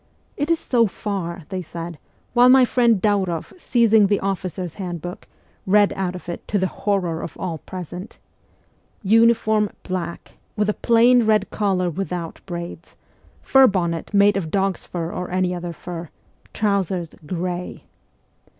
' It is so far,' they said, while my friend Dauroff, seizing the Officers' Handbook, read out of it, to the horror of all present :' Uniform, black, with a plain red collar without braids ; fur bonnet made of dog's fur or any other fur ; trousers, gray.'